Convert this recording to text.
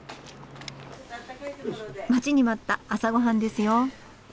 待ちに待った朝ごはんですよ。